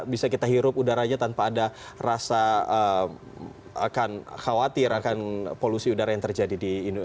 bisa kita hirup udaranya tanpa ada rasa akan khawatir akan polusi udara yang terjadi di indonesia